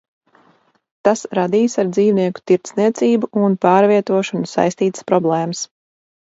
Tas radīs ar dzīvnieku tirdzniecību un pārvietošanu saistītas problēmas.